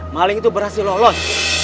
maling itu berhasil lolos